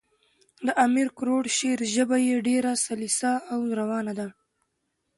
د امیر کروړ شعر ژبه ئي ډېره سلیسه او روانه ده.